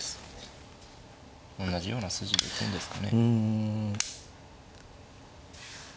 同じような筋で行くんですかね。